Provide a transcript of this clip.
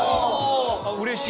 うれしい。